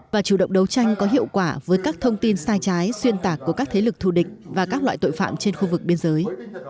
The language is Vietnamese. và chủ động đấu tranh có hiệu quả với các thông tin sai trái xuyên tạc của các thế lực thù địch và các loại tội phạm trên khu vực biên giới